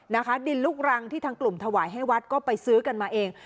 นะคะดินลูกรังที่ทางกลุ่มถวายให้วัดก็ไปซื้อกันมาเอง